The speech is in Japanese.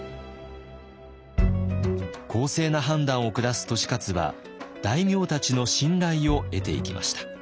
公正な判断を下す利勝は大名たちの信頼を得ていきました。